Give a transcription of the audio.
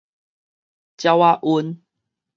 鳥仔瘟